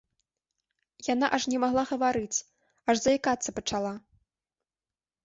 Яна аж не магла гаварыць, аж заікацца пачала.